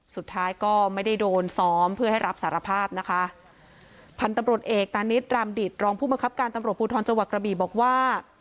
สุดท้ายก็ไม่ได้โดนซ้อมเพื่อให้รับสารภาพนะคะพันธุ์ตำรวจเอกตานิดรามดิตรองผู้บังคับการตำรวจภูทรจังหวัดกระบีบอกว่า